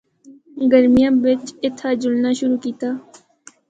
گرمیاں بچ اِتھا جُلنا شروع کیتا۔